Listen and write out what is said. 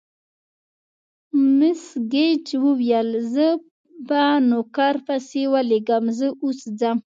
مس ګېج وویل: زه به نوکر پسې ولېږم، زه اوس ځم.